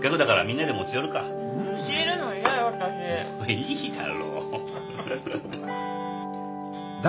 いいだろ。